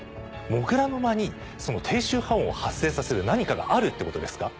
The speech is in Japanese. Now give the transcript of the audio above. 土竜の間にその低周波音を発生させる何かがあるってことですか？